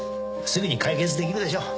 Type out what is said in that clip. すぐに解決できるでしょう。